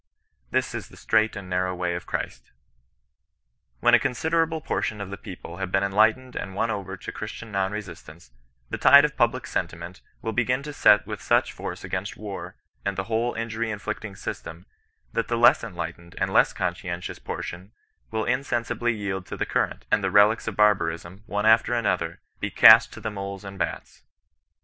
This is the strait and narrow way of Christ. When a considerable portion of the people have been enlightened and won over to Christian non resistance, the tide of public sentiment will begin to set with such force against war, and the whole injury inflicting syi* tem, that the less enlightened and less conscientious portion will insensibly yield to the current, and the relicts of barbarism, one after another, be " cast to the moles and bats."